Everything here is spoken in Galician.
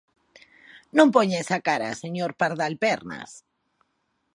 ¡Non poña esa cara, señor Pardal Pernas!